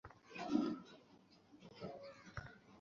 আচ্ছা, এই নাও তোমার খাবার, বাড়তি কিছু জলখাবারও দিয়েছি।